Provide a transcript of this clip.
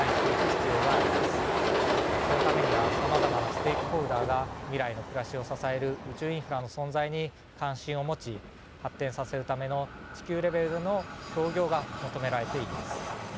そのためにはさまざまなステークホルダーが未来の暮らしを支える宇宙インフラの存在に関心を持ち発展させるための地球レベルでの協業が求められています。